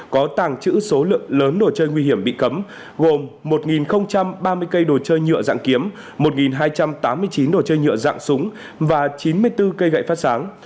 có tàng trữ số lượng lớn đồ chơi nguy hiểm bị cấm gồm một ba mươi cây đồ chơi nhựa dạng kiếm một hai trăm tám mươi chín đồ chơi nhựa dạng súng và chín mươi bốn cây gậy phát sáng